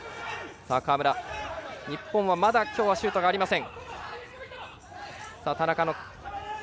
日本はまだ今日はシュートがありません。